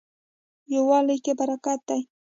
یووالي کې برکت دی